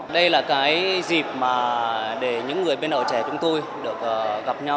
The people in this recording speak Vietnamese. đây là cái dịp mà để những người bên ở trẻ chúng tôi được gặp nhau